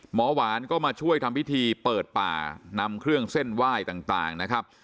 หมอหวานก็มาช่วยทำพิธีเปิดป่านำเครื่องเส้นไหว้ต่างนะครับ